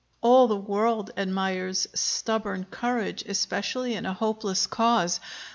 All the world admires stubborn courage, especially in a hopeless cause.